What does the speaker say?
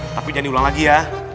tapi jangan diulang lagi ya